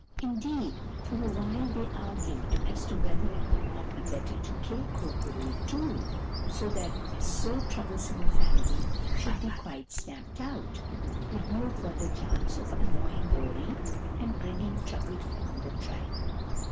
Indeed, for awhile they argued as to whether it would not be better to kill Kur bo roo too, so that so troublesome a family should be quite stamped out, with no further chance of annoying Bori and bringing trouble upon the tribe.